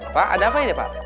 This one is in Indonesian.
pak ada apa ini pak